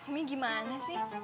mi gimana sih